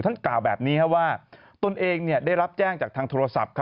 กล่าวแบบนี้ว่าตนเองได้รับแจ้งจากทางโทรศัพท์